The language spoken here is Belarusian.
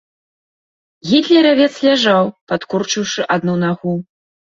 Гітлеравец ляжаў, падкурчыўшы адну нагу.